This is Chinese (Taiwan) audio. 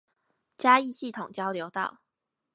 嘉義系統交流道